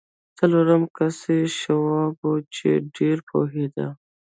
څلورم کس یې شواب و چې ډېر پوهېده